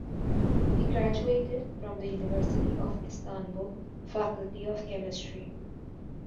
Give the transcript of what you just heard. He graduated from the University of Istanbul, Faculty of Chemistry.